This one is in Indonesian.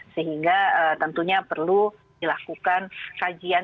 sehingga tentunya perlu dilakukan kajian